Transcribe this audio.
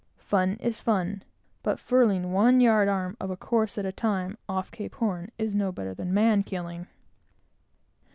Fun is fun, but furling one yard arm of a course, at a time, off Cape Horn, is no better than man killing."